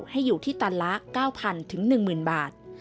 ให้อยู่ที่ตันละ๙๐๐๑๐๐บาท